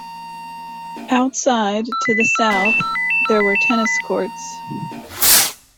Outside, to the south, there were tennis courts.